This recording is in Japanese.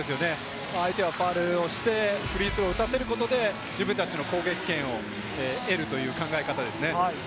相手がファウルをして、フリースローを打たせることで自分たちの攻撃権を得るという考え方ですね。